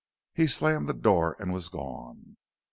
He slammed the door and was gone.